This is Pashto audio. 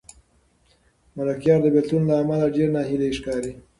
ملکیار د بېلتون له امله ډېر ناهیلی ښکاري.